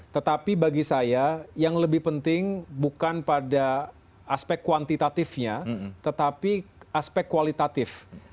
tetapi bagi saya yang lebih penting bukan pada aspek kuantitatifnya tetapi aspek kualitatif